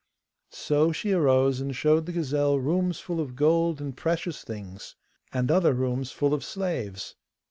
So she arose and showed the gazelle rooms full of gold and precious things, and other rooms full of slaves.